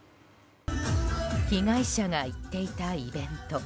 被害者が行っていたイベント。